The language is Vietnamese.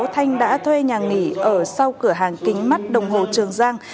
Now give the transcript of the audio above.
thanh đã thuê nhà nghỉ ở sau cửa hàng kính mắt đồng hồ trường giang